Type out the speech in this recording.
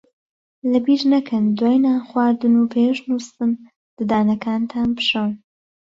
لەبیر نەکەن دوای نان خواردن و پێش نووستن ددانەکانتان بشۆن.